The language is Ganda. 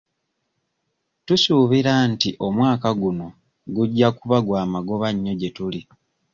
Tusuubira nti omwaka guno gujja kuba gwa magoba nnyo gye tuli.